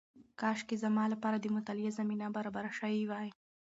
کاشکې زما لپاره د مطالعې زمینه برابره شوې وای.